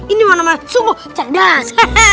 ini mana mana sungguh cerdas